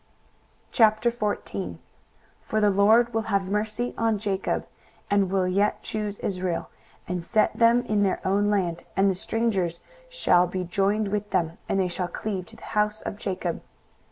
23:014:001 For the LORD will have mercy on Jacob, and will yet choose Israel, and set them in their own land: and the strangers shall be joined with them, and they shall cleave to the house of Jacob.